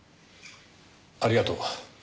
ありがとう。